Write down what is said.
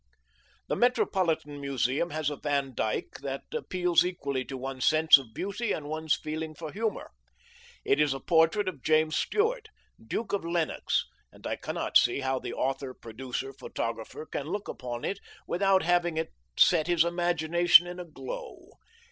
The Metropolitan Museum has a Van Dyck that appeals equally to one's sense of beauty and one's feeling for humor. It is a portrait of James Stuart, Duke of Lennox, and I cannot see how the author producer photographer can look upon it without having it set his imagination in a glow.